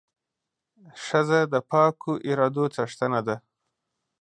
ښځه د پاکو ارادو څښتنه ده.